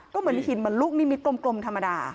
ก็เหมือนหินเหมือนลูกนิมิตกลมธรรมดา